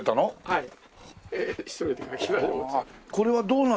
はい。